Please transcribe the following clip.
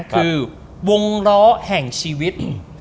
คือวงล้อแห่งชีวิต